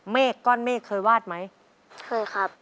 เมฆก้อนเมฆเคยวาดไหมเคยครับ